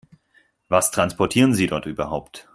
Was transportieren Sie dort überhaupt?